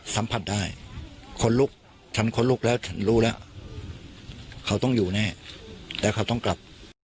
สัมผัสได้คนลุกฉันขนลุกแล้วฉันรู้แล้วเขาต้องอยู่แน่แล้วเขาต้องกลับ